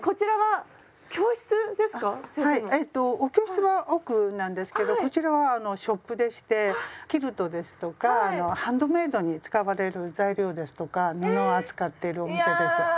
はいお教室は奥なんですけどこちらはあのショップでしてキルトですとかハンドメイドに使われる材料ですとか布を扱っているお店です。